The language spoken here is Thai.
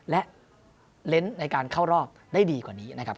และเน้นในการเข้ารอบได้ดีกว่านี้นะครับ